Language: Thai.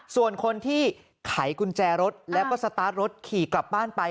ส่วนคนที่ไขกุญแจรถแล้วก็สตาร์ทรถขี่กลับบ้านไป